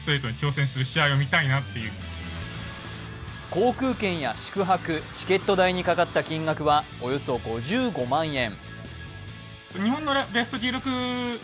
航空券や宿泊、チケット代にかかった金額はおよそ５５万円。